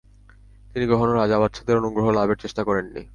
তিনি কখনাে রাজা-বাদশাহদের অনুগ্রহ লাভের চেষ্টা করেন নি।